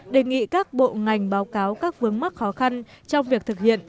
đề nghị các bộ ngành báo cáo các vướng mắc khó khăn trong việc thực hiện